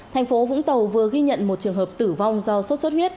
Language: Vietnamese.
thành phố vũng tàu vừa ghi nhận một trường hợp tử vong do sốt xuất huyết